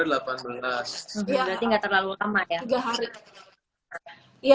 berarti nggak terlalu lama ya